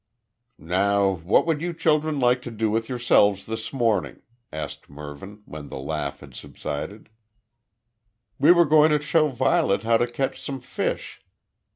"Now what would you children like to do with yourselves this morning?" asked Mervyn, when the laugh had subsided. "We were going to show Violet how to catch some fish.